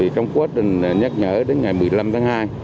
trong quá trình nhắc nhở đến ngày một mươi năm tháng hai